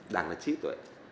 đảng là trí tuệ